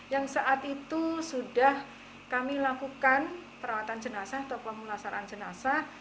yang saat itu sudah kami lakukan perawatan jenazah atau pemulasaran jenazah